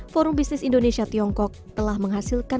forum bisnis indonesia tiongkok telah menghasilkan